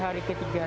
terima kasih pak